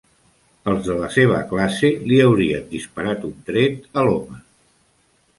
Els de la seva classe li haurien disparat un tret a l'home.